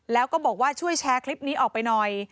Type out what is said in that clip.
แล้วก็บอกว่าช่วยแชร์คลิปนี้ออกไปหน่อย